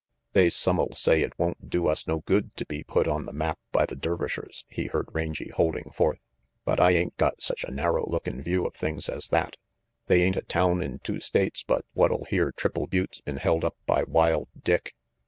"They's some'll say it won't do us no good to be put on the map by the Dervishers," he heard Rangy holding forth, "but I ain't got such a narrow lookin 5 view of things as that. They ain't a town in two states but what'll hear Triple Butte's been held up by Wild Dick.